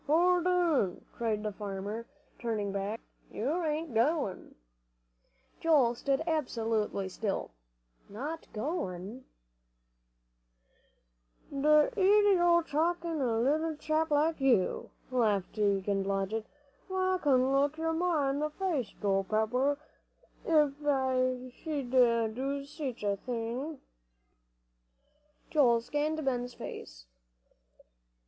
"Hold on!" cried the farmer, turning back, "you ain't goin'." Joel stood absolutely still. "Not going!" "Th' idee o' takin' a leetle chap like you," laughed Deacon Blodgett. "Why, I couldn't look your Ma in the face, Joel Pepper, ef I sh'd do sech a thing." Joel scanned Ben's face.